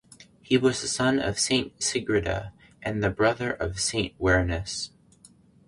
He was the son of Saint Sigrada and the brother of Saint Warinus.